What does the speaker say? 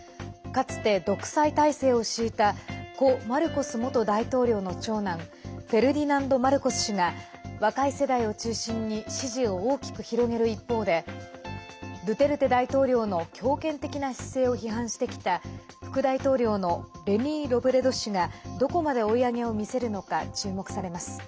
かつて、独裁体制を敷いた故マルコス元大統領の長男フェルディナンド・マルコス氏が若い世代を中心に支持を大きく広げる一方でドゥテルテ大統領の強権的な姿勢を批判してきた副大統領のレニー・ロブレド氏がどこまで追い上げを見せるのか注目されます。